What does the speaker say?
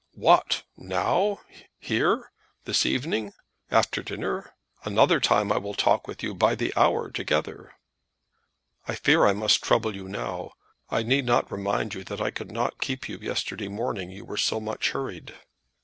"What! now! here! this evening! after dinner? Another time I will talk with you by the hour together." "I fear I must trouble you now. I need not remind you that I could not keep you yesterday morning; you were so much hurried."